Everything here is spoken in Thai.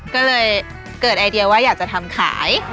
ก็เลยเกิดไอเดียว่าอยากจะทำขาย